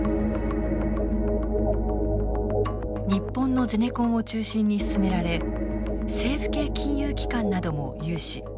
日本のゼネコンを中心に進められ政府系金融機関なども融資。